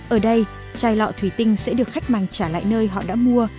ở đây chai lọ thủy tinh sẽ được khách mang trả lại nơi họ đã mua